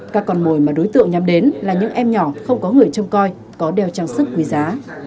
các con mồi mà đối tượng nhắm đến là những em nhỏ không có người trông coi có đeo trang sức quý giá